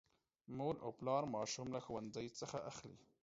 مور او پلا ماشوم له ښوونځي څخه اخلي.